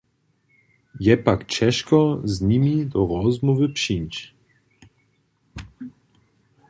Je pak ćežko, z nimi do rozmołwy přińć.